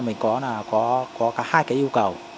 mình có hai cái yêu cầu